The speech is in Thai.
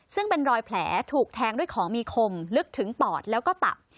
ซึ่งเป็นรอยแผลถูกแทงด้วยของมีคมลึกถึงปอดแล้วก็ตับ